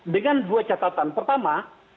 dengan dua catatan pertama